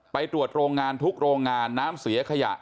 ไปตรวจโรงงานทุกโรงงานน้ำเสียขยะ